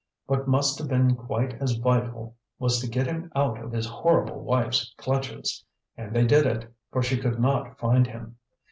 What must have been quite as vital was to get him out of his horrible wife's clutches. And they did it, for she could not find him.